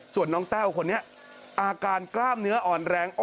ส่วนน้องแต้วคนนี้อาการกล้ามเนื้ออ่อนแรง